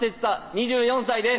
２４歳です